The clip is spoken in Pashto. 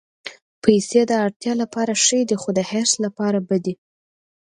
پېسې د اړتیا لپاره ښې دي، خو د حرص لپاره بدې.